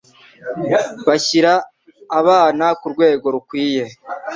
bashyira abana kurwego rukwiye